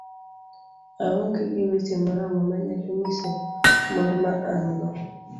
aong'e gi weche moromo manyalo nyiso mor ma an go